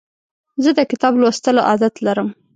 زه د کتاب لوستلو عادت لرم.